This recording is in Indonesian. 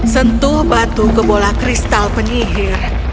sentuh batu ke bola kristal penyihir